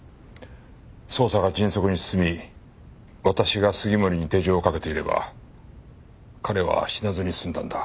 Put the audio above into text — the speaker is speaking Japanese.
捜査が迅速に進み私が杉森に手錠をかけていれば彼は死なずに済んだんだ。